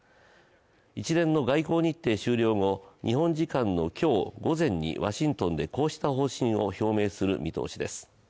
一連の外交日程終了後、日本時間の今日午前にワシントンでこうした方針を表明する見通しです。